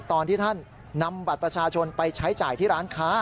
ตอนที่ท่านนำบัตรประชาชนไปใช้จ่ายที่ร้านค้า